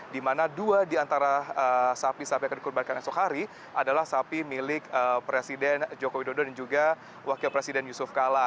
dimana dua di antara sapi sapi yang akan dikubarkan esok hari adalah sapi milik presiden jokowi dodo dan juga wakil presiden yusuf kala